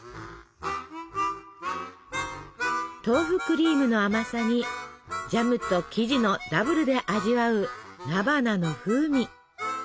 豆腐クリームの甘さにジャムと生地のダブルで味わう菜花の風味。